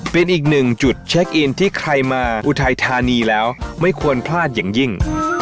เป็นอีกหนึ่งจุดเช็คอินที่ใครมาอุทัยธานีแล้วไม่ควรพลาดอย่างยิ่ง